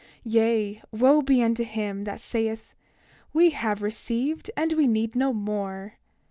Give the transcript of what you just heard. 28:27 Yea, wo be unto him that saith: We have received, and we need no more!